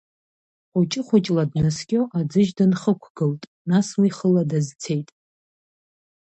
Хәыҷы-хәыҷла днаскьо аӡыжь дынхықәгылт, нас уи хыла дазцеит.